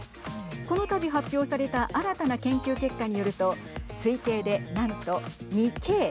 このたび発表された新たな研究結果によると推定でなんと２京。